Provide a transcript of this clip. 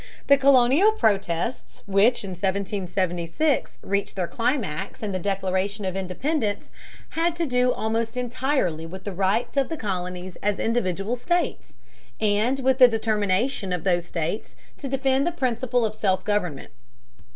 The colonial protests which in 1776 reached their climax in the Declaration of Independence, had to do almost entirely with the rights of the colonies as individual states, and with the determination of those states to defend the principle of self government.